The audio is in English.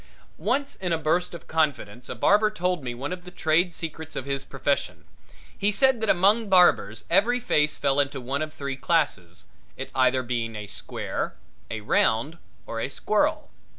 Once in a burst of confidence a barber told me one of the trade secrets of his profession he said that among barbers every face fell into one of three classes, it being either a square, a round or a squirrel.